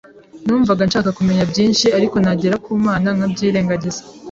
numvaga nshaka kumenya byinshi, ariko nagera ku Mana nkabyirengagiza.